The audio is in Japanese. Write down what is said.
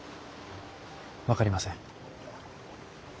分かりません。